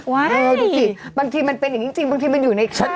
เออดูสิบางทีมันเป็นอย่างนี้จริงบางทีมันอยู่ในชั้น